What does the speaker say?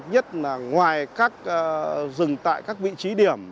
nhất là ngoài các rừng tại các vị trí điểm